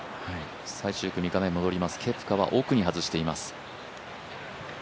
最終組、画面戻ります、ケプカは奥に外しています。